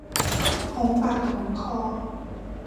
หอมปากหอมคอ